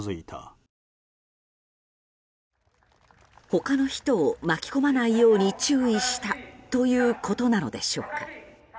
他の人を巻き込まないように注意したということなのでしょうか。